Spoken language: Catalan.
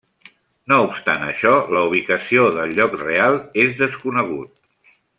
No obstant això, la ubicació del lloc real és desconegut.